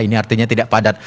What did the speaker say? ini artinya tidak padat